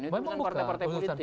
memang bukan urusan partai politik